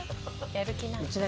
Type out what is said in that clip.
やる気ない。